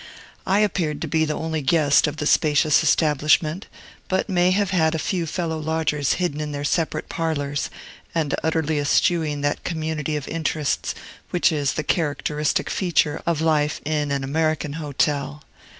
I appeared to be the only guest of the spacious establishment, but may have had a few fellow lodgers hidden in their separate parlors, and utterly eschewing that community of interests which is the characteristic feature of life in an American hotel.